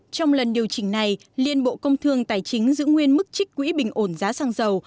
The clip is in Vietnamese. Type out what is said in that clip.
trong lần điều chỉnh này liên bộ công thương tài chính giữ nguyên mức trích quỹ bình ổn giá xăng dầu